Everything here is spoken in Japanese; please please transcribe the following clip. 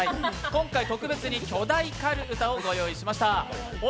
今回、特別に巨大「狩歌」をご用意しました。